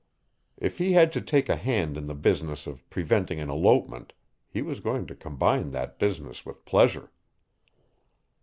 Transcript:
If he had to take a hand in the business of preventing an elopement he was going to combine that business with pleasure.